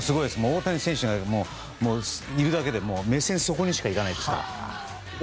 大谷選手がいるだけで目線がそこにしか行かないですから。